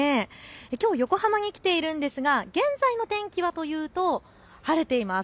きょう横浜に来ているんですが現在の天気はというと晴れています。